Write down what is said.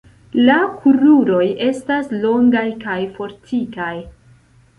La kruroj estas longaj kaj fortikaj.